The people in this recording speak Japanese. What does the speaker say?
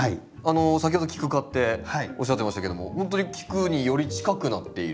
先ほどキク科っておっしゃってましたけどもほんとに菊により近くなっている。